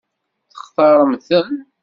Textaṛem-ten?